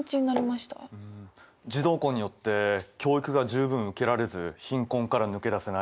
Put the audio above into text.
児童婚によって教育が十分受けられず貧困から抜け出せない。